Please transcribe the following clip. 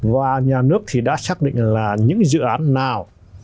và nhà nước thì đã xác định là những dự án nào